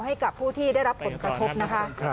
ให้กับผู้ที่ได้รับผลกระทบนะคะ